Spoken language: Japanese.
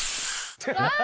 ハハハハ！